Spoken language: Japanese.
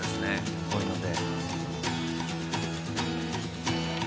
こういうので。